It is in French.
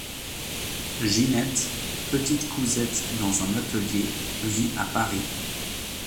Ginette, petite cousette dans un atelier, vit à Paris.